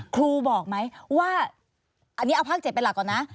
ครูบอกไหมว่าอันนี้เอาภาค๗ไปหลักก่อนนะ